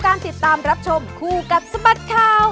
สวัสดีค่ะสวัสดีครับครับ